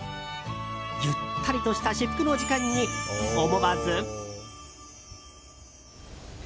ゆったりとした至福の時間に思わず。